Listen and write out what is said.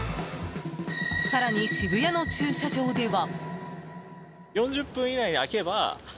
更に、渋谷の駐車場では。